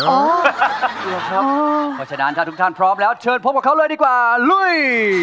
เพราะฉะนั้นถ้าทุกท่านพร้อมแล้วเชิญพบกับเขาเลยดีกว่าลุย